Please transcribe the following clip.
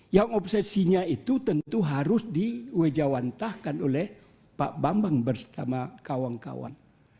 yang obsesinya itu tentu harus diwejawantahkan oleh pak bambang bersama kawan kawan